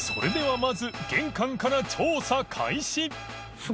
まず玄関から調査開始磴△